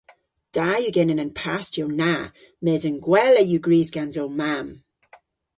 Da yw genen an pastiow na mes an gwella yw gwrys gans ow mamm.